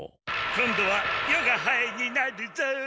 今度は余がハエになるぞ！